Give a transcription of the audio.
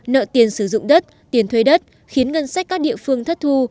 nợ tiền sử dụng đất tiền thuê đất khiến ngân sách các địa phương thất thu